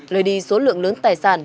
lời đi số lượng lớn tài sản